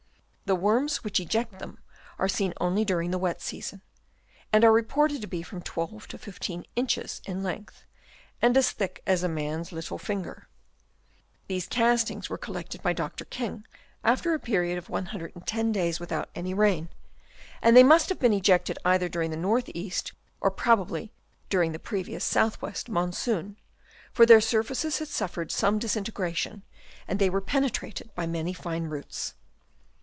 The worms which eject them are seen only during the wet season, and are reported to be from 12 to 15 inches in length, and as thick as a man's little finger. These castings were collected by Dr. King after a period of 110 days without any rain; and they must have been ejected either during the north east or more probably during the previous south west monsoon ; for their surfaces had suffered some disintegration and they were penetrated by many fine roots.